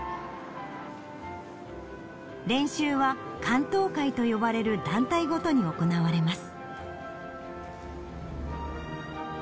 練習は竿燈会と呼ばれる団体ごとに行われます。